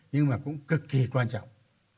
nhưng mà cũng cực kỳ quan trọng